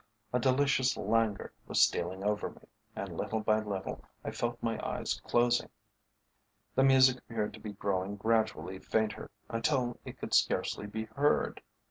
A delicious languor was stealing over me, and little by little I felt my eyes closing. The music appeared to be growing gradually fainter, until it could scarcely be heard.